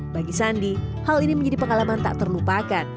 bagi sandi hal ini menjadi pengalaman tak terlupakan